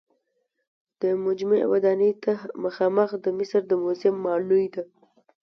د مجمع ودانۍ ته مخامخ د مصر د موزیم ماڼۍ ده.